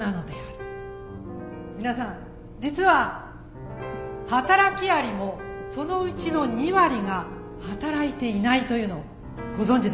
皆さん実は働きアリもそのうちの２割が働いていないというのをご存じですか？